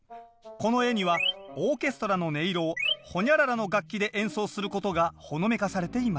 この絵にはオーケストラの音色を？の楽器で演奏することがほのめかされていました。